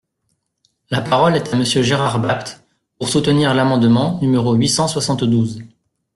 La parole est à Monsieur Gérard Bapt, pour soutenir l’amendement numéro huit cent soixante-douze.